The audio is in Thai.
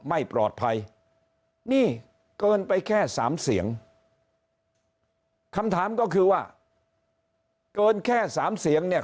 ไม่ปลอดภัยนี่เกินไปแค่สามเสียงคำถามก็คือว่าเกินแค่สามเสียงเนี่ย